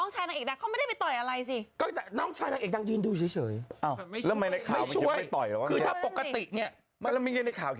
ฉันบอกทั้งมากตกพวก